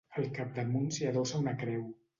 Al capdamunt s'hi adossa una creu.